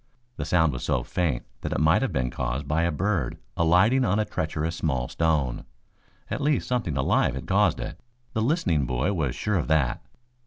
The sound was so faint that it might have been caused by a bird alighting on a treacherous small stone. At least something alive had caused it. The listening boy was sure of that.